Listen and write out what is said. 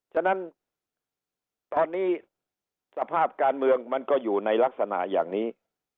ฉะนั้นตอนนี้สภาพการเมืองมันก็อยู่ในลักษณะอย่างนี้